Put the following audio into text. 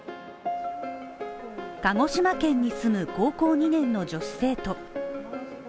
鹿児島県に住む高校２年の女子生徒